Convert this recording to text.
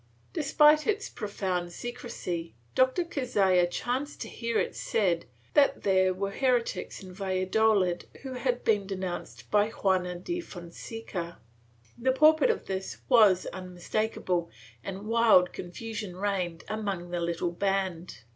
Despite its profound secrecy. Dr. Cazalla chanced to hear it said that there were heretics in Valladolid who had been denounced by Juana de Fonseca. The purport of this was unmistakable and wild confusion reigned among the little band.